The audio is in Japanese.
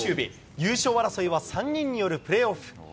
優勝争いは、３人によるプレーオフ。